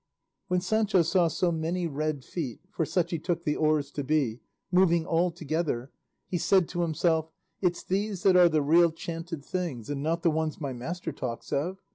When Sancho saw so many red feet (for such he took the oars to be) moving all together, he said to himself, "It's these that are the real chanted things, and not the ones my master talks of.